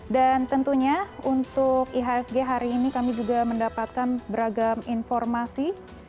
dan tentunya untuk ihsg hari ini kami juga mendapatkan beragam informasi